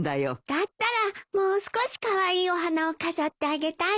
だったらもう少しカワイイお花を飾ってあげたいな。